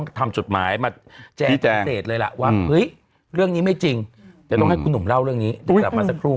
กิต้านเสรดเลยล่ะว่าเฮ้ยเรื่องนี้ไม่จริงแต่ต้องให้คุณหนุ่มเล่าเรื่องนี้กลับมาสักครู่